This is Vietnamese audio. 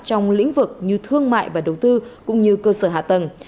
trong lĩnh vực như thương mại và đầu tư cũng như cơ sở hạ tầng